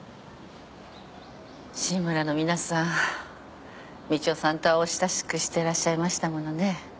志むらの皆さん道夫さんとはお親しくしてらっしゃいましたものね。